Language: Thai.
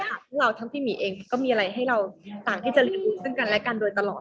พวกเราทั้งพี่หมีเองก็มีอะไรให้เราต่างที่จะเรียนรู้ซึ่งกันและกันโดยตลอด